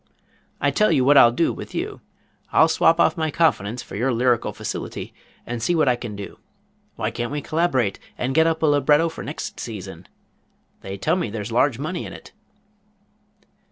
I tell you what I'll do with you. I'll swap off my confidence for your lyrical facility and see what I can do. Why can't we collaborate and get up a libretto for next season? They tell me there's large money in it."